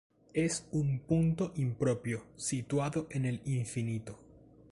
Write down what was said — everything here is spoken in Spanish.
Es un punto impropio, situado en el infinito.